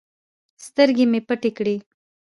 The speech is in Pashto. سترگې مې پټې کړې.